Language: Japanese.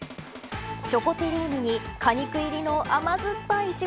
チョコテリーヌに果肉入りの甘酸っぱいいちご